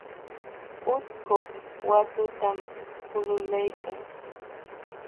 Utku watutam kululaykan.